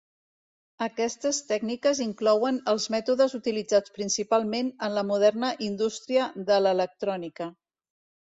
Aquestes tècniques inclouen els mètodes utilitzats principalment en la moderna indústria de l'electrònica.